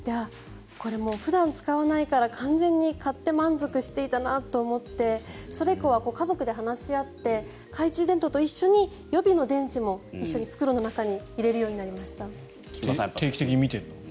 これも普段使わないから完全に買って満足していたなと思ってそれ以降は、家族で話し合って懐中電灯と一緒に予備の電池も一緒に袋の中に入れるようになりました。